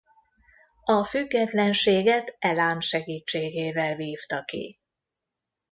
A függetlenséget Elám segítségével vívta ki.